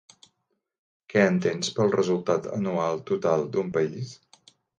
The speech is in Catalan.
Què entens pel resultat anual total d'un país?